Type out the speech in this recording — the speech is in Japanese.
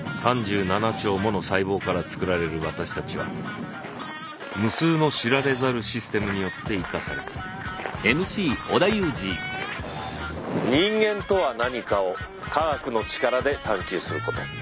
３７兆もの細胞から作られる私たちは無数の知られざるシステムによって生かされている人間とは何かを科学の力で探求すること。